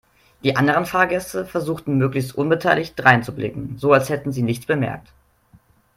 Die anderen Fahrgäste versuchten möglichst unbeteiligt dreinzublicken, so als hätten sie nichts bemerkt.